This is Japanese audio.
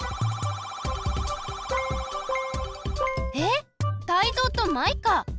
えっタイゾウとマイカ！